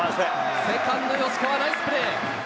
セカンド吉川、ナイスプレー。